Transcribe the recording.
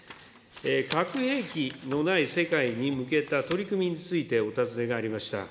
核兵器のない世界に向けた取り組みについてお尋ねがありました。